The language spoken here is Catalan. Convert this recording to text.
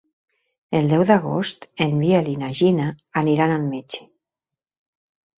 El deu d'agost en Biel i na Gina aniran al metge.